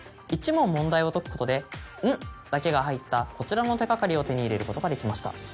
１問問題を解くことで「ん」だけが入ったこちらの手がかりを手に入れることができました。